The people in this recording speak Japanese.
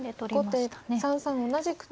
後手３三同じく金。